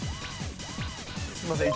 すいません。